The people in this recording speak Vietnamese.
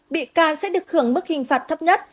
bị can sẽ được hưởng mức hình phạt thấp nhất